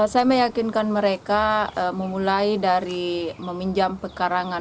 saya meyakinkan mereka memulai dari meminjam pekarangan